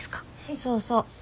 そうそう。